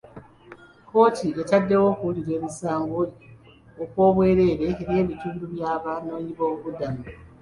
Kkooti etaddewo okuwulira emisango okw'obwereere eri ebitundu by'abanoonyi b'obubuddamu.